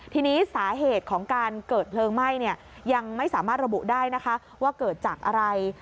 ทีนี้สาเหตุของการเกิดเพลิงไหม้ยังไม่สามารถระบุได้นะคะว่าเกิดจากอะไร